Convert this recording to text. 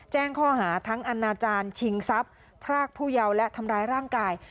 แจ้งข้อหาทั้งอนาจารย์ชิงทรัพย์พรากผู้เยาว์และทำร้ายร่างกาย